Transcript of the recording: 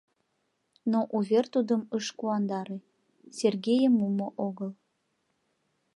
Но увер тудым ыш куандаре: Сергейым мумо огыл.